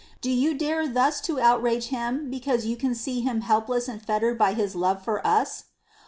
Do you dare thus to outrage Him because you see Him helpless and fettered by His love for us